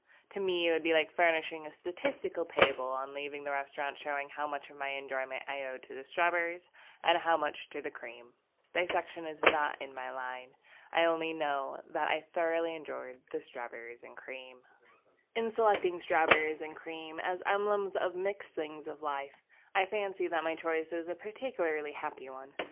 To me it would be like furnishing a statistical table on leaving the restaurant showing how much of my enjoyment I owed to the strawberries and how much to the cream. Dissection is not in my line. I only know that I thoroughly enjoyed the strawberriesandcream. In selecting strawberries and cream as emblems of the mixed things of life, I fancy that my choice is a particularly happy one.